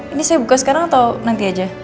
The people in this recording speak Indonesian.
ini saya buka sekarang atau nanti aja